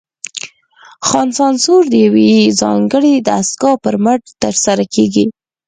ځان سانسور د یوې ځانګړې دستګاه پر مټ ترسره کېږي.